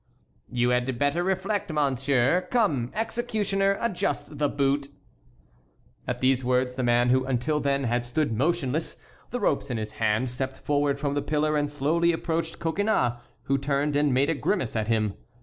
"You had better reflect, monsieur. Come, executioner, adjust the boot." At these words the man, who until then had stood motionless, the ropes in his hand, stepped forward from the pillar and slowly approached Coconnas, who turned and made a grimace at him.